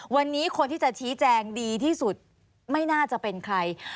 วันนี้คนที่จะชี้แจงดีที่สุดไม่น่าจะเป็นใคร